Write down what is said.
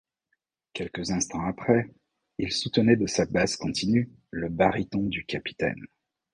Quelques instants après, il soutenait de sa basse continue le baryton du capitaine.